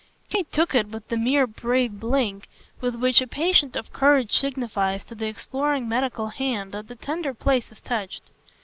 Kate took it with the mere brave blink with which a patient of courage signifies to the exploring medical hand that the tender place is touched.